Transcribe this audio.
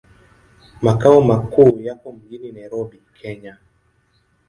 Makao makuu yako mjini Nairobi, Kenya.